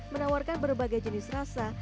menawarkan berbagai jenis rasa